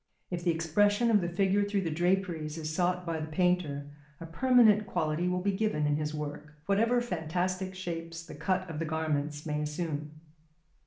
If the expression of the figure through the draperies is sought by the painter, a permanent quality will be given in his work, whatever fantastic shapes the cut of the garments may assume.